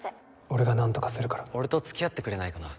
俺が何とかす俺と付き合ってくれないかな？